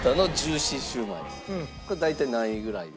これ大体何位ぐらい？